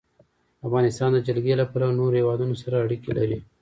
افغانستان د جلګه له پلوه له نورو هېوادونو سره اړیکې لري.